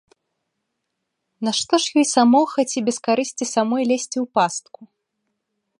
Нашто ж ёй самохаць і без карысці самой лезці ў пастку?